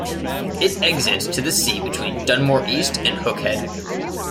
It exits to the sea between Dunmore East and Hook Head.